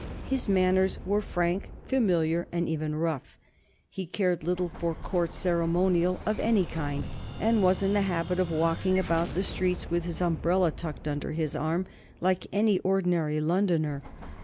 His manners were frank, familiar, and even rough. He cared little for Court ceremonial of any kind, and was in the habit of walking about the streets with his umbrella tucked under his arm, like any ordinary Londoner.